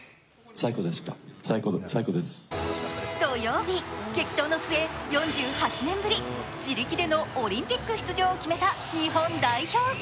土曜日、激闘の末、４８年ぶり自力でのオリンピック出場を決めた日本代表。